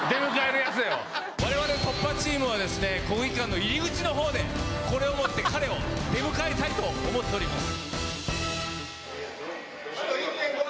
我々突破チームは国技館の入り口のほうでこれを持って彼を出迎えたいと思っております。